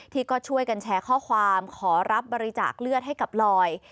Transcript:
ที่ก็ช่วยกันแชร์ข้อความขอรับบริจาคเลือดให้กับลอย